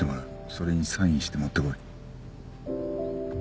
それにサインして持ってこい。